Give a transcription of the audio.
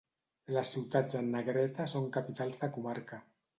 Les ciutats en negreta són capitals de comarca.